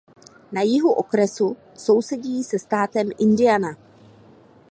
Na jihu okresu sousedí se státem Indiana.